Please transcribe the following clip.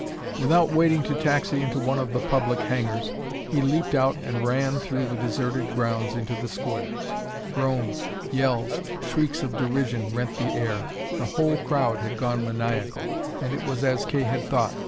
Without waiting to taxi into one of the public hangars, he leaped out and ran through the deserted grounds into the square. Groans, yells, shrieks of derision rent the air. The whole crowd had gone maniacal. And it was as Kay had thought.